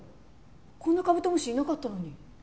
こんなカブトムシいなかったのに。